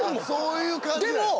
そういう感じや。